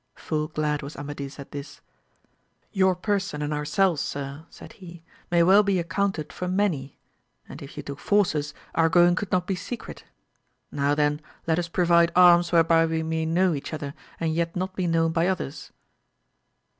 Full glad was Amadis at this. Your person and ourselves sir, said he, may well be accounted for many, and if you took forces our going could not be secret ; now then let us provide arms whereby we may know each other and yet not be known by others.